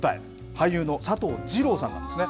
俳優の佐藤二朗さんなんですね。